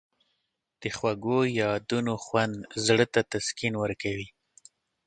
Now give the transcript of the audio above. د خوږو یادونو خوند زړه ته تسکین ورکوي.